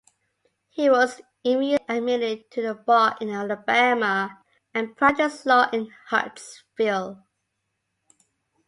He was immediately admitted to the bar in Alabama, and practiced law in Huntsville.